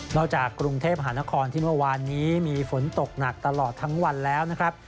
จากกรุงเทพหานครที่เมื่อวานนี้มีฝนตกหนักตลอดทั้งวันแล้วนะครับ